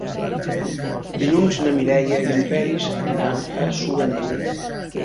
Dilluns na Mireia i en Peris aniran a Sudanell.